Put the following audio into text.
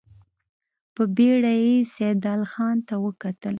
په بېړه يې سيدال خان ته وکتل.